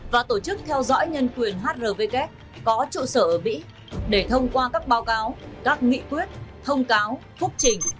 và tổ chức theo dõi nhân quyền hrvk có trụ sở ở mỹ để thông qua các báo cáo các nghị quyết thông cáo phúc trình